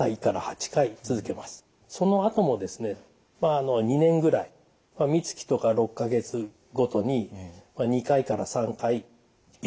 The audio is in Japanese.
そのあともですね２年ぐらいみつきとか６か月ごとに２回から３回維持療法していく。